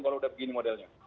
kalau udah begini modelnya